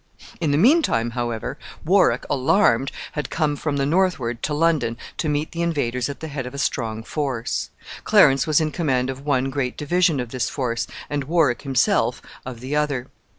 ] In the mean time, however, Warwick, alarmed, had come from the northward to London to meet the invaders at the head of a strong force. Clarence was in command of one great division of this force, and Warwick himself of the other.